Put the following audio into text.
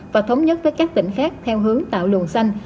và thống nhất với các tỉnh khác theo hướng tạo luồng xanh